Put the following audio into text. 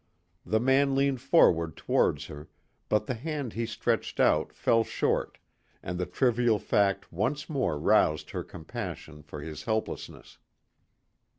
The man leaned forward towards her, but the hand he stretched out fell short, and the trivial fact once more roused her compassion for his helplessness.